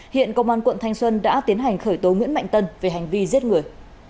hiện công an quận thanh xuân đã tiến hành khởi tố nguyễn mạnh tân về hành vi giết người